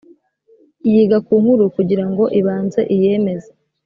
yiga ku nkuru kugira ngo ibanze iyemeze